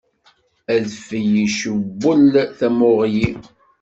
Adfel icewwel tamuɣli.